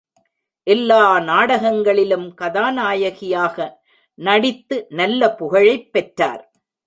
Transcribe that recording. எல்லா நாடகங்களிலும் கதாநாயகியாக நடித்து நல்ல புகழைப் பெற்றார்.